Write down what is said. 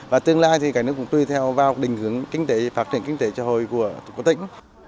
và tương lai thì cái nước cũng tùy theo vào định hướng phát triển kinh tế xã hội của tỉnh